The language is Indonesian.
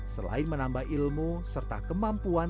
selain menambah ilmu serta kemampuan